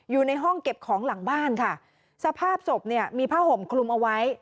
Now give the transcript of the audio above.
อยู่ในห้องเก็บของหลังบ้านค่ะสภาพศพเนี่ยมีผ้าห่มคลุมเอาไว้